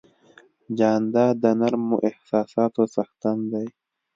جانداد د نرمو احساساتو څښتن دی.